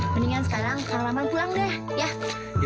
mendingan sekarang kalau lama pulang deh ya